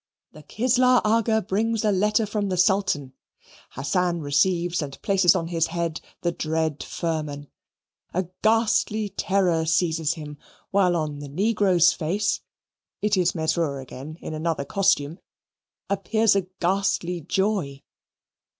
The Kislar Aga brings a letter from the Sultan. Hassan receives and places on his head the dread firman. A ghastly terror seizes him, while on the Negro's face (it is Mesrour again in another costume) appears a ghastly joy.